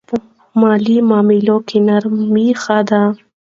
په مالي معاملو کې نرمي ښه ده.